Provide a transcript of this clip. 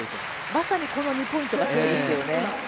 まさにこの２ポイントがそうですよね。